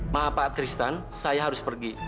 maaf pak kristen saya harus pergi